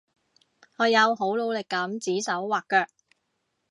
我有好努力噉指手劃腳